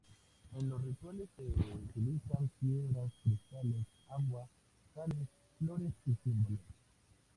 En los rituales se utilizan piedras, cristales, agua, sales, flores y símbolos.